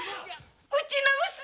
うちの娘